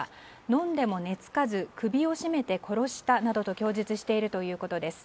飲んでも寝付かず首を絞めて殺したなどと供述しているということです。